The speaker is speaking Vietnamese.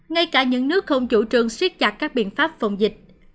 ngay cả những nước không chủ trương siết chặt các biện pháp phòng dịch